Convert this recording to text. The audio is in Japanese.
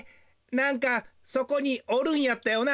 なんかそこにおるんやったよな？